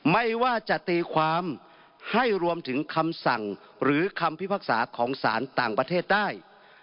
ไม่ว่าจะตีความให้รวมถึงคำสั่งหรือคำพิพากษาของสารต่างประเทศได้